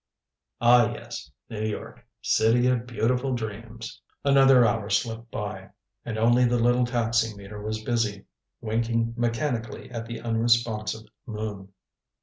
Ah, yes New York! City of beautiful dreams! Another hour slipped by. And only the little taxi meter was busy, winking mechanically at the unresponsive moon.